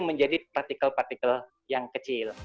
menjadi partikel partikel yang kecil